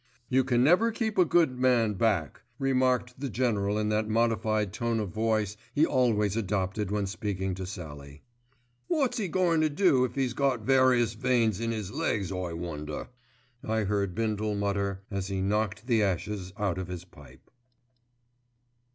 "You can never keep a good man back," remarked the General in that modified tone of voice he always adopted when speaking to Sallie. "Wot's 'e goin' to do if 'e's got various veins in 'is legs, I wonder?" I heard Bindle mutter as he knocked the ashes out of his pipe.